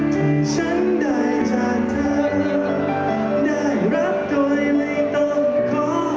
ถ้าฉันได้จากเธอได้รับตัวเลยต้องขอ